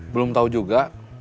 belum tahu juga